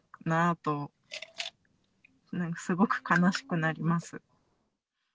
なんかすごく悲しくなります。